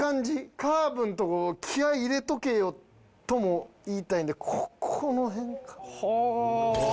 「カーブの所気合入れとけよ」とも言いたいのでこの辺。はあ！